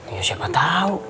ya siapa tau